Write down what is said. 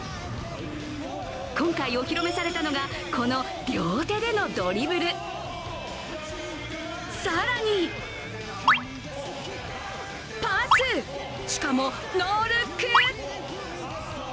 今回お披露目されたのがこの両手でのドリブル、更にパス、しかもノールック！